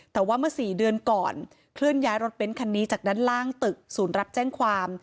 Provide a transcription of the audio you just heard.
แต่ว่าเมื่อ๔เดือนก่อนเคลื่อนย้ายรถเบ้นคันนี้จากด้านล่างตึกศูนย์รับแจ้งความ